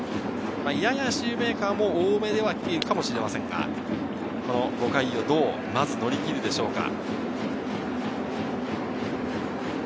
ややシューメーカーの多めでは来ているかもしれませんが、５回をまずどう乗り切るでしょうか？